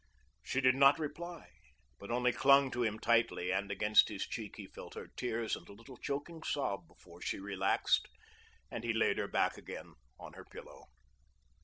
She did not reply, but only clung to him tightly, and against his cheek he felt her tears and a little choking sob before she relaxed, and he laid her back again on her pillow.